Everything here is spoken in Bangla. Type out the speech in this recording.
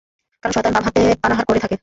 কারণ শয়তান বাম হাতে পানাহার করে থাকে।